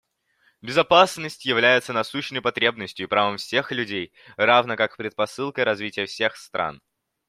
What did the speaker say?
Безопасность является насущной потребностью и правом всех людей, равно как предпосылкой развития всех стран.